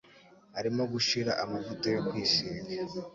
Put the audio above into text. Arimo gushira amavuta yo kwisiga.